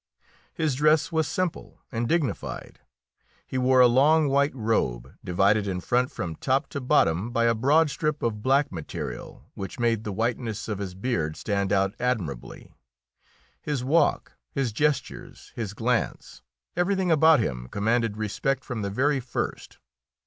His dress was simple and dignified. He wore a long white robe, divided in front, from top to bottom, by a broad strip of black material, which made the whiteness of his beard stand out admirably. His walk, his gestures, his glance, everything about him commanded respect from the very first.